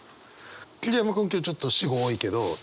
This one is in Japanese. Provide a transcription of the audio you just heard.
桐山君今日ちょっと私語多いけど。